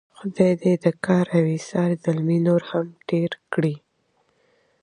خدای دې د کار او ایثار زلمي نور هم ډېر کړي.